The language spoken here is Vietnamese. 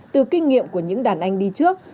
từ kinh nghiệm của những đàn anh đi trước